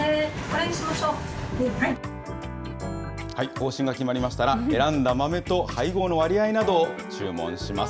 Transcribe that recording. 方針が決まりましたら、選んだ豆と配合の割合などを注文します。